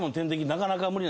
なかなか無理。